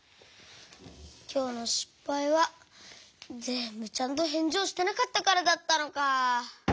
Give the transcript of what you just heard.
きょうのしっぱいはぜんぶちゃんとへんじをしてなかったからだったのか。